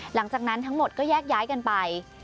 หลังจากนั้นทั้งหมดก็แยกย้ายกันไป